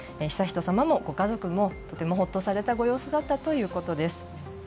悠仁さまもご家族もとてもほっとされたご様子だったということです。